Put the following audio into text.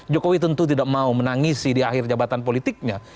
jokowi tentu tidak mau menangisi di akhir jabatan politiknya